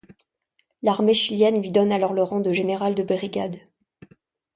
L'armée chilienne lui donne alors le rang de général de brigade.